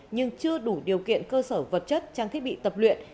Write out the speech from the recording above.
nhưng chưa đủ điều kiện cơ sở vật chất trang thiết bị tập luyện